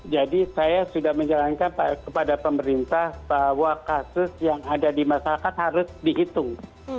jadi saya sudah menjalankan kepada pemerintah bahwa kasus yang ada di masyarakat harus dihitung